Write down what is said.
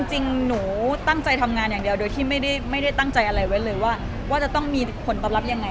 จริงหนูตั้งใจทำงานอย่างเดียวโดยที่ไม่ได้ตั้งใจอะไรไว้เลยว่าจะต้องมีผลตอบรับยังไง